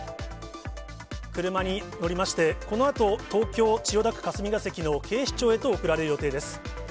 車に乗りまして、このあと東京・千代田区霞が関の警視庁へと送られる予定です。